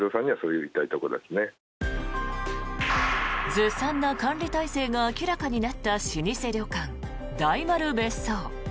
ずさんな管理体制が明らかになった老舗旅館、大丸別荘。